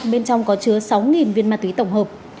bên trong có chứa sáu viên ma túy tổng hợp